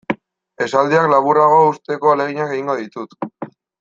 Esaldiak laburrago uzteko ahaleginak egingo ditut.